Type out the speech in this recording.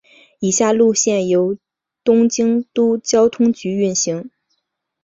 以下路线由东京都交通局运行。